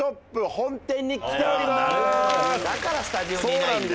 だからスタジオにいないんだ。